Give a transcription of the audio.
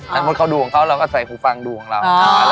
ถ้ามดเขาดูของเขาเราก็ใส่หูฟังดูของเรา